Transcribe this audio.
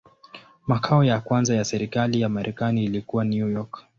Makao ya kwanza ya serikali ya Marekani ilikuwa New York.